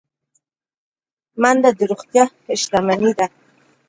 منډه د روغتیا شتمني ده